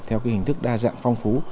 theo hình thức đa dạng phong phú